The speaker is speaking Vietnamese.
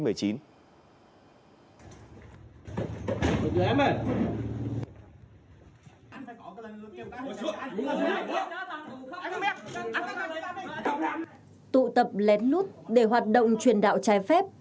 tụ tập lén lút để hoạt động truyền đạo trái phép